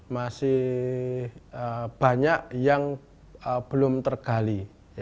masih banyak yang belum tergali